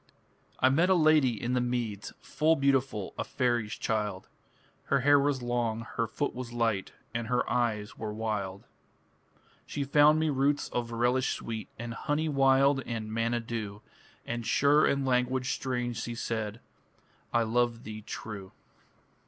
I met a lady in the meads, Full beautiful a faery's child; Her hair was long, her foot was light, And her eyes were wild. She found me roots of relish sweet, And honey wild and manna dew; And sure in language strange she said, "I love thee true".